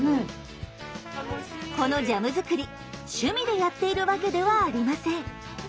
このジャムづくり趣味でやっているわけではありません。